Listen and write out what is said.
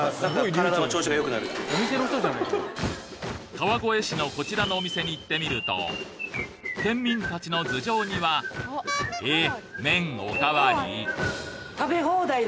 川越市のこちらのお店に行ってみると県民たちの頭上にはえっ？